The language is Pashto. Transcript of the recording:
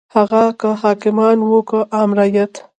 هغه که حاکمان وو که عام رعیت.